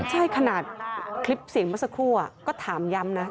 ใช่ขนาดคลิปเสียงเมื่อสักครู่ก็ถามย้ำนะ